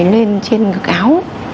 lên trên cực áo